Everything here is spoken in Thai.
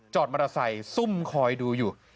จอดมาราไซซุ่มคอยดูอยู่